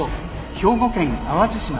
兵庫県淡路島